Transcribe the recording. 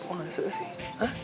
kok gak ngeselin sih hah